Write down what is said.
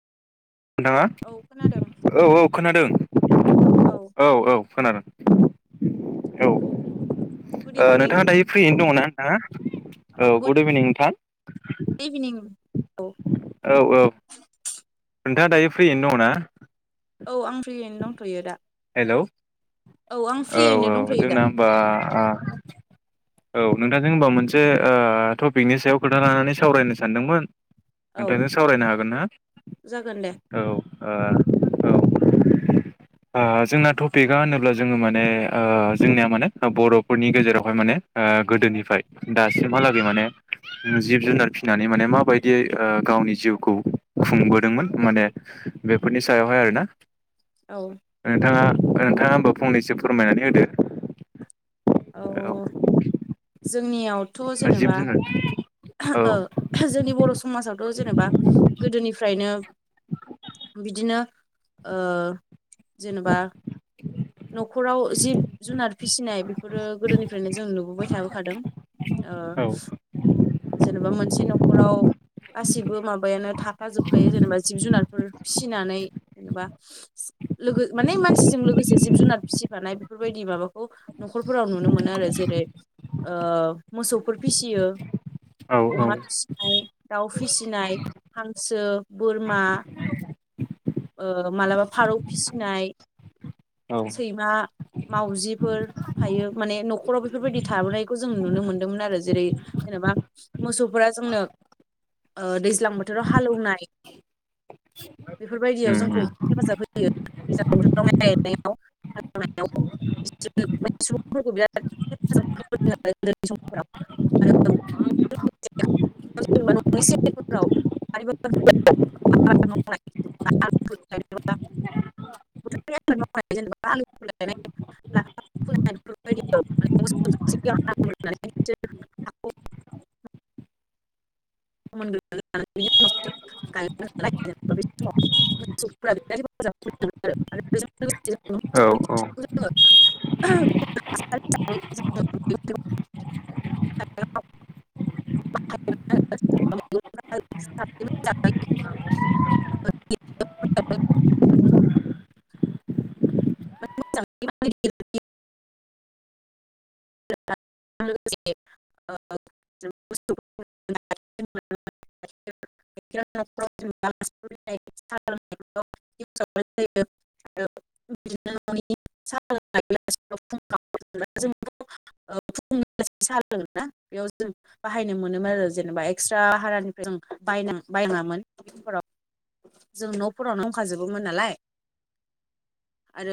नोंथाङा औ खोनादों औ औ खोनादों औ औ खोनादों। औ ओ गुड इभिनिं नोंथाङा दायो फ्रियैनो दङना नोंथाङा? औ गुड इभिनिं नोंथां। इभिनिं औ औ औ। नोंथाङा दायो फ्रियैनो दङ ना? औ आं फ्रियैनो दंथ'यो दा। हेल'। आं औ फ्रियैनो औ दंथ'यो दा जोंना होनबा आ औ नोंथांजों होनबा मोनसे ओ टपिकनि सायाव खोथा लानानै सावरायनो सानदोंमोन। औ नोंथांजों सावरायनो हागोनना? जागोन दे औ ओ औ। आ जोंना टपिकआ होनोब्ला जोङो माने ओ जोंनिया माने बर'फोरनि गेजेरावहाय माने ओ गोदोनिफ्राय दासिमहालागै माने। जिब जुनार फिसिनानै माने माबायदियै ओ गावनि जिउखौ खुंबोदोंमोन माने बेफोरनि सायावहाय आरोना। औ नोंथाङा नोंथाङा होनोमब फंनैसो फोरमायनानै होदो। औ जोंनियाव जिब जुनार। औ ओं जोंनि बर' समाजावथ' जेनेबा गोदोनिफ्रायनो बिदिनो ओ जेनेबा न'खराव जिब जुनार फिसिनाय बेफोरो गोदोनिफ्रायनो जों नुबोबाय थाबोखादों। ओ औ जेनेबा मोनसे न'खराव। गासिबो माबायानो थाफाजोबखायो जेनेबा जिब जुनारफोर। फिसिनानै जेनेबा लोगो माने मानसिजों लोगोसे जिब जिब जुनाद फिसिफानाय बेफोरबायदि माबाखौ न'खरफोराव नुनो मोनो आरो जेरै ओ मोसौफोर फिसियो। औ अमा फिसिनाय दाउ फिसिनाय हां सो बोरमा। ओ मालाबा फारौ फिसिनाय औ उम सैमा मावजिफोर थायो माने न'खराव बेफोरबायदि थाबोनायखौ जों नुनो मोन्दोंमोन आरो जेरै मोसौफोरा जोंनो ओ दैज्लां बोथोराव हालौनाय बेफोरबायदियाव जोंखौ उम हेफाजाब होयो [unintelligible] बिसोर सुबुंफोरखौ बिराद हेफाजाब होबोदों आरो उन्दैनि समफ्राव आरो [unintelligible] [unintelligible] [unintelligible] [unintelligible] [unintelligible] [inaudible] [unintelligible] [unintelligible] औ औ [unintelligible] [unintelligible] [inaudible] [inaudible] [unintelligible] [unintelligible] [unintelligible] [inaudible] [unintelligible] [inaudible] [inaudible] [inaudible] [inaudible] ना बेयाव जों बाहायनो मोनोमोन आरो जेनेबा एक्सट्रा हारानिफ्राय जों बायनागा बायनाषङामोन [unintelligible] जों न'फोरावनो दंखाजोबोमोन नालाय आरो